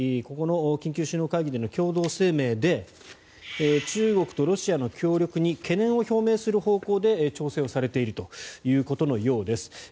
ここの緊急首脳会議での共同声明で中国とロシアの協力に懸念を表明する方向で調整されているということのようです。